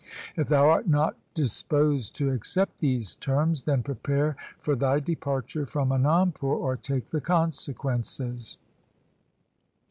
If thou art not disposed to accept these terms, then prepare for thy departure from Anandpur or take the consequences.'